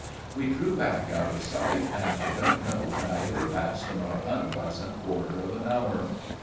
We drew back out of sight, and I don't know when I ever passed a more unpleasant quarter of an hour.